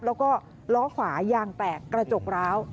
แล้วก็ล้อขวายางแตกกระจกร้าว